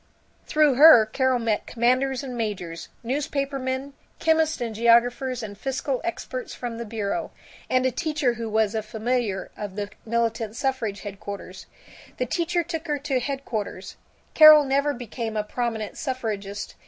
Through her Carol met commanders and majors, newspapermen, chemists and geographers and fiscal experts from the bureaus, and a teacher who was a familiar of the militant suffrage headquarters. The teacher took her to headquarters. Carol never became a prominent suffragist.